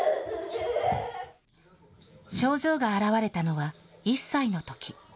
症状が現れたのは１歳のとき。